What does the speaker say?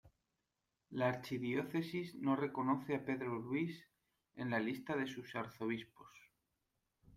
La archidiócesis no reconoce a Pedro Luis en la lista de sus arzobispos.